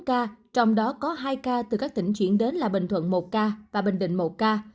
một ca trong đó có hai ca từ các tỉnh chuyển đến là bình thuận một ca và bình định một ca